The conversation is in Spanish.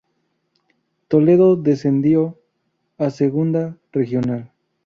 Toledo descendió a Segunda Regional.